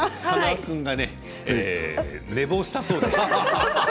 塙君が寝坊したそうです。